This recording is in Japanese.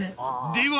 では！